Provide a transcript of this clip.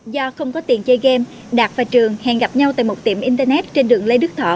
do không có tiền chơi game đạt và trường hẹn gặp nhau tại một tiệm internet trên đường lê đức thọ